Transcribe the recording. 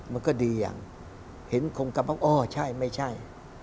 มันก็ดีอย่างเห็นคงกำลังอ้อใช่ไม่ใช่